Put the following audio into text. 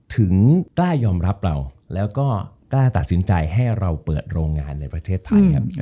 ถึงกล้ายอมรับเราแล้วก็กล้าตัดสินใจให้เราเปิดโรงงานในประเทศไทยครับ